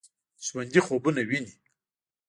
ژوندي خوبونه ويني